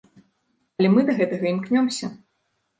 Але мы да гэтага імкнёмся!